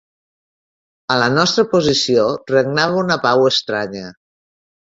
A la nostra posició regnava una pau estranya